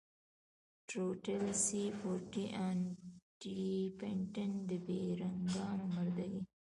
ټروټيل سي فور ټي ان ټي پټن د بېرنگانو مردکي.